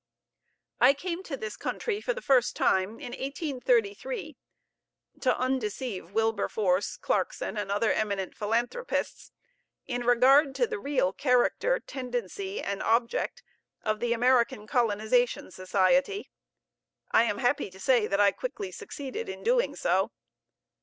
I came to this country for the first time in 1833, to undeceive Wilberforce, Clarkson, and other eminent philanthropists, in regard to the real character, tendency, and object of the American Colonization Society. I am happy to say that I quickly succeeded in doing so.